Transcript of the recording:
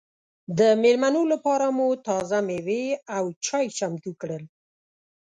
د مېلمنو لپاره مو تازه مېوې او چای چمتو کړل.